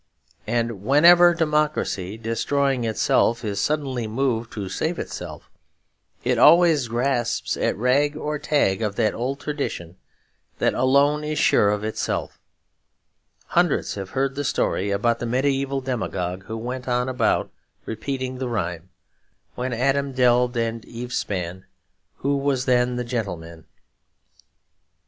And whenever democracy destroying itself is suddenly moved to save itself, it always grasps at rag or tag of that old tradition that alone is sure of itself. Hundreds have heard the story about the mediaeval demagogue who went about repeating the rhyme When Adam delved and Eve span, Who was then the gentleman?